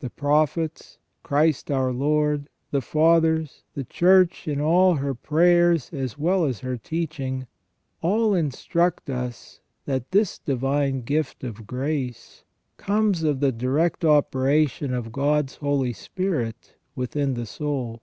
The Prophets, Christ our Lord, the Fathers, the Church in her prayers as well as her teaching, all instruct us that this divine gift of grace comes of the direct operation of God's Holy Spirit within the soul.